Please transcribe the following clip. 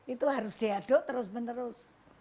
itu harus diaduk terus menerus